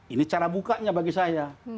ini cara bukanya bagi saya